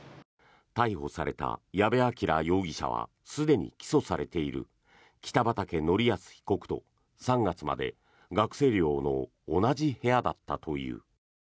逮捕された矢部鑑羅容疑者はすでに起訴されている北畠成文被告と３月まで学生寮の同じ部屋だったという。